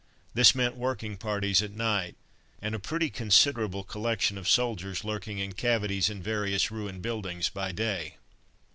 This meant working parties at night, and a pretty considerable collection of soldiers lurking in cavities in various ruined buildings by day.